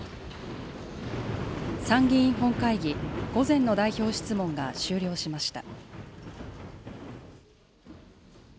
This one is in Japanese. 参議院本会議、午前の代表質問が終了しました。